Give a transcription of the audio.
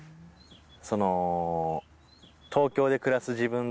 その。